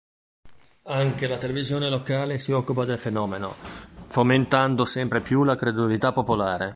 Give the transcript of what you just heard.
Anche la televisione locale si occupa del fenomeno fomentando sempre più la credulità popolare.